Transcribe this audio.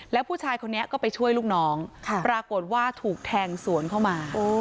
แล้วผู้ชายคนนี้ก็ไปช่วยลูกน้องปรากฏว่าถูกแทงสวนเข้ามา